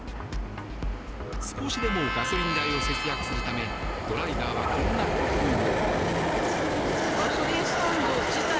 少しでもガソリン代を節約するためドライバーは、こんな工夫も。